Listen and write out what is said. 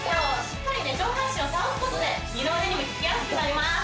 しっかり上半身を倒すことで二の腕にも効きやすくなります